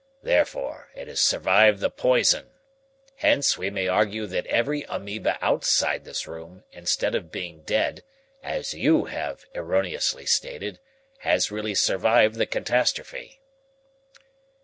Therefore, it has survived the poison. Hence, we may argue that every amoeba outside this room, instead of being dead, as you have erroneously stated, has really survived the catastrophe."